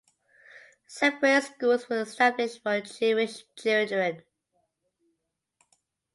Separate schools were established for Jewish children.